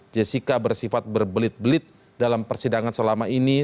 jessica bersifat berbelit belit dalam persidangan selama ini